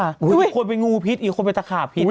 อยู่คนเป็นงูพิษอีกคนเป็นตะขาบพิษ